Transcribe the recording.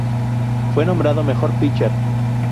Fue nombrado Mejor Pitcher.